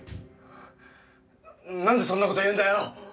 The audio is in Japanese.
なんでそんなこと言うんだよ！